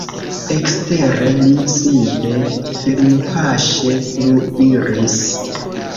Ekstere, li simple firmpaŝe plu iris.